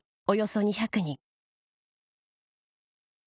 およそ２００人